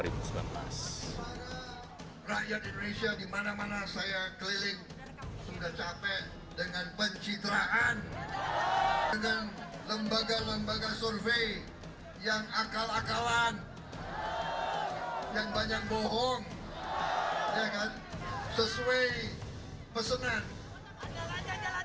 pembangunan indonesia di mana mana saya keliling sudah capek dengan pencitraan dengan lembaga lembaga survei yang akal akalan yang banyak bohong sesuai pesanan